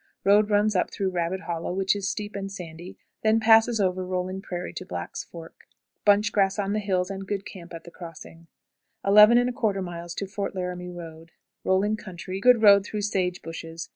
Road runs up through Rabbit Hollow, which is steep and sandy; it then passes over rolling prairie to Black's Fork. Bunch grass on the hills, and good camp at the crossing. 11 1/4. Fort Laramie Road. Rolling country; good road through sage bushes.